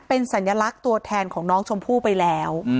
เป็นสัญลักษณ์ตัวแทนของน้องชมพู่ไปแล้ว